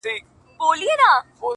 ويل دغي ژبي زه يم غولولى،